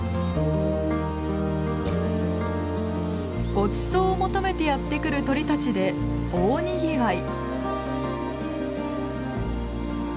ごちそうを求めてやって来る鳥たちで大にぎわい。